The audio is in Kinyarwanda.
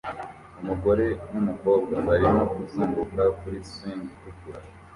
Umugore numukobwa barimo kuzunguruka kuri swing itukura